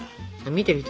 見てる人